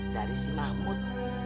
dari si mahmud